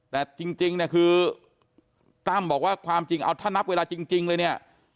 แต่จริงเนี่ยคือตั้มบอกว่าความจริงเอาถ้านับเวลาจริงเลยเนี่ย